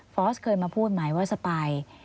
อสเคยมาพูดไหมว่าสปาย